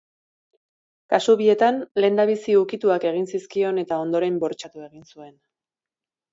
Kasu bietan, lehendabizi ukituak egin zizkion eta ondoren bortxatu egin zuen.